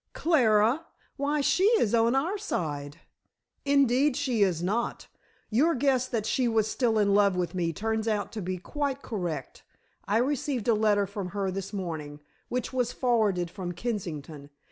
"Clara! Why, she is on our side." "Indeed she is not. Your guess that she was still in love with me turns out to be quite correct. I received a letter from her this morning, which was forwarded from Kensington.